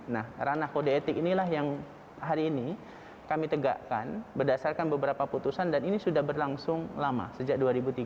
nah ranah kode etik inilah yang hari ini kami tegakkan berdasarkan beberapa putusan dan ini sudah berlangsung lama sejak dua ribu tiga belas